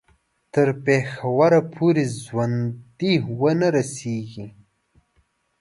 تر پېښوره پوري ژوندي ونه رسیږي.